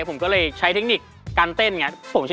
ผมก็เลยใช้เทคนิคการเต้นอย่างนี้